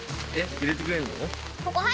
入れてくれるの？